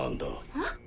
えっ？